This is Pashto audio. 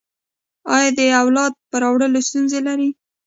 ایا د اولاد په راوړلو کې ستونزه لرئ؟